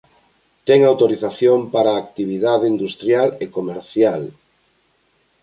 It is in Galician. Ten autorización para actividade industrial e comercial.